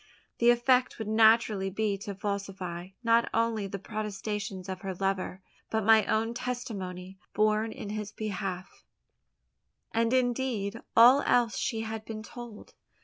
The effect would naturally be to falsify, not only the protestations of her lover, but my own testimony borne in his behalf, and indeed all else she had been told.